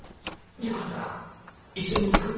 よかったら一緒に行く？